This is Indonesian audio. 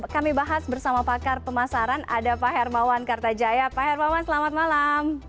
kami bahas bersama pakar pemasaran ada pak hermawan kartajaya pak hermawan selamat malam